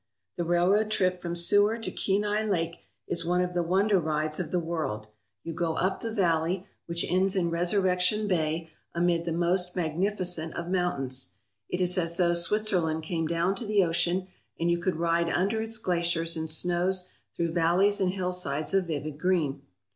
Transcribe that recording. The railroad trip from Seward to Kenai Lake is one of the wonder rides of the world. You go up the valley 256 ACROSS KENAI ON HORSEBACK which ends in Resurrection Bay amid the most magnifi cent of mountains. It is as though Switzerland came down to the ocean, and you could ride under its glaciers and snows through valleys and hillsides of vivid green.